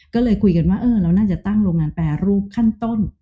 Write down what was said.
ก็เลยคุยกันว่าเออเราน่าจะตั้งโรงงานแปรรูปขั้นต้น